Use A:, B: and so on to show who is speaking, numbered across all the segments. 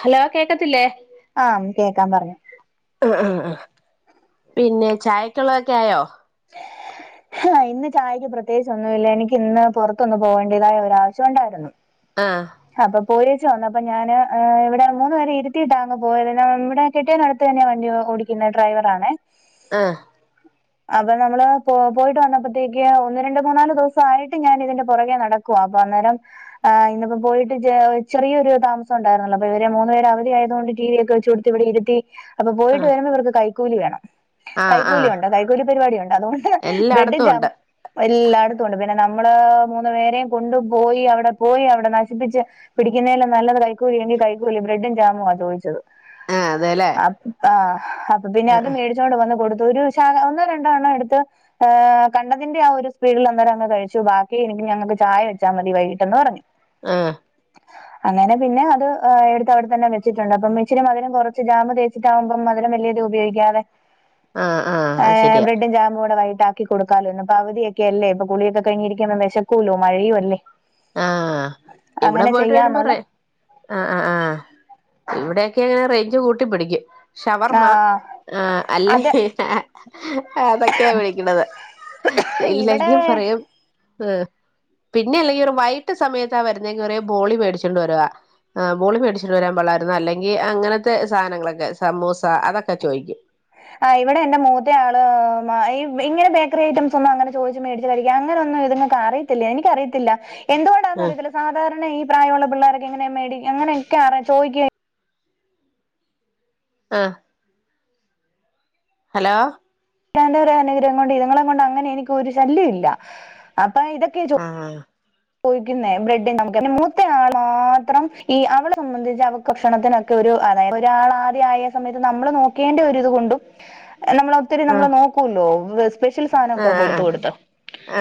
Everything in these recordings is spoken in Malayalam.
A: ഹലോ കേക്കത്തില്ലേ
B: ആം കേക്കാൻ പറഞ്ഞോ
A: അഹ് അഹ് അഹ് പിന്നെ ചായക്കുള്ളതൊക്കെ ആയോ
B: ഹെ ഇന്ന് ചായയ്ക്ക് പ്രത്യേകിച്ച ഒന്നുമില്ല എനിക്ക് ഇന്ന് പുറത്തൊന്ന് പോവേണ്ടതായുള്ള ആവശ്യ ഉണ്ടായിരുന്നു
A: ആഹ്
B: അപ്പൊ പോയിച്ച് വന്നപ്പോ ഞാന് ഏഹ് ഇവിടെ മൂന്നു പേരെ ഇരുത്തിയിട്ടാ അങ്ങ് പോയത് ഇവിടെ കെട്ടിയോൻ അടുത്ത് തന്നെ വണ്ടി ഓടിക്കുന്ന ഡ്രൈവർ ആണേ
A: ആഹ്
B: അപ്പൊ നമ്മള് പോ പോയിട്ട് വന്നപ്പോത്തേക്ക് ഒന്ന് രണ്ട് മൂന്നാല് ദിവസ ആയിട്ട് ഞാന് ഇതിന്റെ പുറകെ നട ക്കുവാ അപ്പൊ അന്നേരം ആഹ് ഇന്ന് പ്പോ പോയിട്ട് ചെ ചെറിയരു താമസംണ്ടായിരുന്നല്ലോ അപ്പൊ ഇവരെ മൂന്നുപേര അവധി ആയതോണ്ട് ടി വി ഒക്കെ വെച്ചുകൊടു ത് ഇവിടെ ഇരുത്തി അപ്പൊ പോയിട്ട് വരുമ്പോ ഇവർക്ക് കൈക്കൂലി വേണം
A: ആ ആ ആ
B: കൈക്കൂലിണ്ട് കൈക്കൂലി പരിപാടി ഉണ്ട് അതോ ബ്രഡ്ഡും
A: എല്ലായിടത്തും ഉണ്ട്
B: ജാംമും എല്ലായിടത്തുണ്ട് പിന്നെ നമ്മള് മൂന്ന് പേരെയും കൊണ്ടു പോയി അവിടെ പോയി അവിടെ നശിപ്പിച്ച് പിടിക്കുന്നേല് നല്ലത് [unintelligible] കൈക്കൂല ബ്രെഡും ജാമാ ചോയ്ച്ചത്
A: അതെലെ
B: ആഹ് അപ്പൊ പിന്നെ അത് മേടിച്ചോണ്ട് വന്ന് കൊടുത്തു ഒരു ശാഖ ഒന്നോ രണ്ടോ എണ്ണം എടുത്തു ഏഹ് കണ്ടതിന്റെ ആ ഒരു സ്പീഡിൽ അന്നേരങ് കഴിച്ചു ബാക്കി എനിക്ക് ഞങ്ങക്ക് ചായ വെച്ചാ മതി വൈകിട്ടെന്ന് പറഞ്ഞു
A: ആഹ്
B: അങ്ങനെ പിന്നെ അത് എ എട്ത്ത് വടെത്തന്നെ വെച്ചിട്ടുണ്ട് അപ്പം ഇച്ചിരി മധുരം കൊർച്ച് ജാമ് തേച് ച്ച്ട്ടാവുമ്പം മധുരം വെല്യോരു ഉപോഗിക്കാതെ
A: ആഹ് ആഹ് അത് ശെരിയാ
B: ജാമു കൂടെ വൈകീട്ടാക്കി കൊടുക്കാലോ ഇന്നിപ്പൊ അവധി ഒക്കെ അല്ലേ ഇപ്പ കുളിയൊക്കെ കഴിഞ്ഞ് ഇരിക്കുന്ന് വെശക്കൂല്ലോ മഴയും അല്ലേ
A: ആഹ് ഇവടെ
B: അങ്ങനെ
A: പോയിട്ട് വെരുമ്പെ
B: ചെയ്യാന്നുള്ള
A: റെ ആ അ ആ ഇവടൊക്കെങ്ങനെ റെയ്ഞ്ച് കൂട്ടി പിടിക്കും ഷവർമ്മ
B: ആഹ്
A: ആ
B: അതെ
A: [unintelligible] അതൊക്ക്യാ വിളിക്ക്ണത്
B: ഇവിടെ
A: ഇല്ലെങ്കി പറയും എ പിന്നെ അല്ലെങ്കി റു വൈകിട്ട് സമയത്താ വരുന്നെങ്കിപറയും ബോളി വേടിച്ചൊണ്ട് വരുവാ ആ ബോളി മേടിച്ചിട്ട് വരാൻ പാടില്ലാര്ന്നോ അല്ലെങ്കി അങ്ങൻത്തെ സാനങ്ങളൊക്കെ സമൂസ അതൊക്കെ ചോയ്ക്കും
B: ആ ഇവടെ എന്റെ മൂത്തയാള് ആ ഇ ഇങ്ങനെ ബേക്കറി ഐറ്റംസൊന്നും അങ്ങനെ ചോയ്ച്ച് മേടിച്ച് കഴിക്കാ അങ്ങനൊന്നും ഇത്ങ്ങ ക്കറിയത്തില്ല എനിക്കറിയത്തില്ല
A: ആ
B: എന്തുകൊണ്ടാന്നറിയത്തില്ല സാധാരണ ഈ പ്രായള്ള പിള്ളേർക്കെങ്ങനെ മേടി അങ്ങനെ ക്കെ ചോയ്ക്ക
A: ആ ഹലോ
B: ഇക്കാന്റെ ഒരു അനുഗ്രഹം കൊണ്ട് ഇതുങ്ങളെ കൊണ്ടങ്ങനെ എനിക്ക് ഒരു ശല്യം ഇല്ല അപ്പൊ ഇതൊക്കെ ജോ
A: ആഹ്
B: ചോയ്ക്കുന്നെ [unintelligible] മൂത്തയാള് മാത്രം ഈ അവളെ സംബന്ധിച്ച് അവ ഭക്ഷണത്തിനൊക്കെ ഒരു അതായത് ഒരാൾ ആദ്യായ സമയത്ത് നമ്മള് നോക്കേണ്ട ഒരിത് കൊണ്ടും നമ്മളൊത്തിരി
A: ആ
B: നമ്മളെ നോക്കൂല്ലോ [unintelligible] സ്പെഷ്യൽ
A: ആ
B: സാനൊക്കെ കൊടുത്ത് കൊടുത്ത്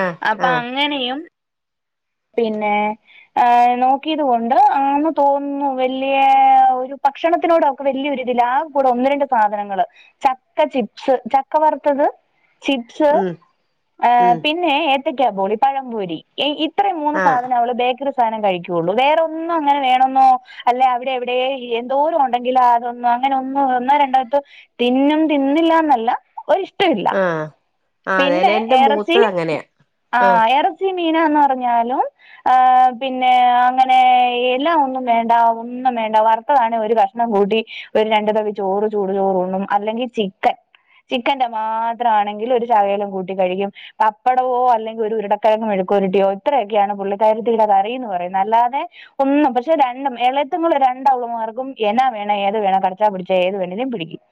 A: ആ ആ
B: അപ്പങ്ങനെയും പിന്നെ ഏ നോക്യീത് കൊണ്ട് ആന്ന് തോന്നുന്നു വെല്യേ ഒരു ഭക്ഷണത്തിനോട് അ വെല്യോരിതില്ല ആ കൂടെ ഒന്ന് രണ്ട് സാധനങ്ങള് ചക്ക ചിപ്സ് ചക്ക വർത്തത് ചിപ്സ്
A: ഉം
B: ഏ
A: ഉം
B: പിന്നെ ഏത്തക്ക പോളി പഴംമ്പൊരി എ ഇത് മൂന്ന്
A: ആ
B: സാധനം അവള് ബേക്കറി സാനം കഴിക്കൊള്ളു വേറൊന്നു അങ്ങനെ വേണന്നോ അല്ല അവടെ എവിടെ എന്തോരം ഒണ്ടെങ്കിലും അതൊന്നും അങ്ങനെ ഒന്ന് ഒന്നോ രണ്ടോ [unintelligible] തിന്നും തിന്നില്ല ന്നല്ല ഒരിഷ് ടല്ല
A: ആ ആ
B: പിന്നെ
A: അതേലെ എന്റെ
B: എറച്ചി
A: മൂത്തത് അങ്ങനെയാ
B: ആ എറച്ചി മീനൊന്ന അത് പറഞ്ഞാലും ആ പിന്നെ അങ്ങനെ എല്ലാം ഒന്നും വേണ്ട ഒന്നും വേണ്ട വറുത്തതാണെ ഒരു കഷ് ണം കൂട്ടി ഒരു രണ്ടു തവി ചോറ് ചൂട് ചോറുംണ്ണും അല്ലെങ്കി ചിക്കൻ ചിക്കന്റെ മാത്രാണെങ്കി ഒരു ശകലം കൂട്ടി കഴിക്കും പപ്പടോ അല്ലെങ്കി ഒരു ഉരുടക്കെഴക്കങ് മെഴക്ക് പെരട്ട്യോ ഇത്രയൊക്ക്യാണ് പുള്ളിക്കാരിത്തിടെ വറിന്ന് പറയുന്നത് അല്ലാതെ ഒന്നും പക്ഷെ രണ്ടും എളേത്ത്ങ്ങള് രണ്ടാള്മാർക്കും എന്നാ വേണം ഏത് വേണം കട്ച്ചാ പിടിച്ച ഏത് വേണേലും പിടിക്കും